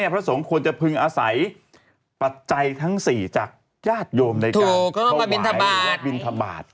พระสงฆ์ควรจะพึงอาศัยปัจจัยทั้ง๔จากญาติโยมในการบินทบาท